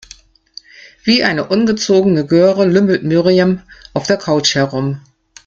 Wie eine ungezogene Göre lümmelt Miriam auf der Couch herum.